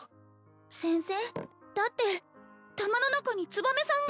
先生だって玉の中につばめさんが。